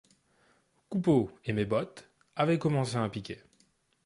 Coupeau et Mes-Bottes avaient commencé un piquet.